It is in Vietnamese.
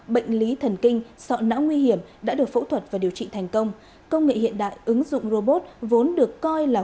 bệnh lý thần kinh sọ não nguy hiểm đã được phẫu thuật và điều trị thành công công nghệ hiện đại ứng dụng robot vốn được coi là